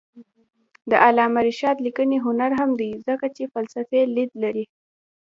د علامه رشاد لیکنی هنر مهم دی ځکه چې فلسفي لید لري.